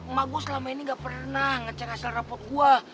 emak gue selama ini ga pernah ngecek hasil rapot gue